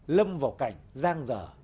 lâm vào cảnh giang dở